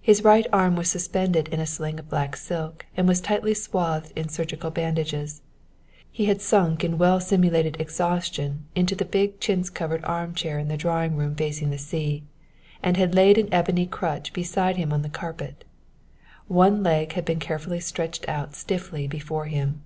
His right arm was suspended in a sling of black silk and was tightly swathed in surgical bandages. He had sunk in well simulated exhaustion into the big chintz covered arm chair in the drawing room facing the sea, and had laid an ebony crutch beside him on the carpet. One leg had been carefully stretched out stiffly before him.